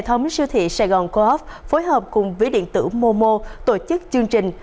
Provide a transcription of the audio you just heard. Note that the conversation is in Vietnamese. hệ thống siêu thị sài gòn coop phối hợp cùng ví điện tử momo tổ chức chương trình